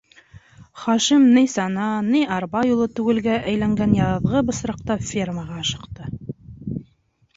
Хашим ни сана, ни арба юлы түгелгә әйләнгән яҙғы бысраҡта фермаға ашыҡты.